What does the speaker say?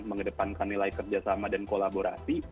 mengedepankan nilai kerjasama dan kolaborasi